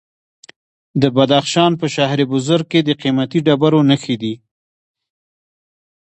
د بدخشان په شهر بزرګ کې د قیمتي ډبرو نښې دي.